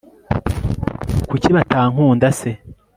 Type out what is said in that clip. kuki batankunda se